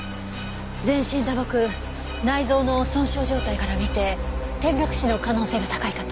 全身打撲内臓の損傷状態から見て転落死の可能性が高いかと。